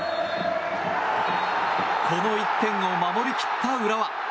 この１点を守り切った浦和。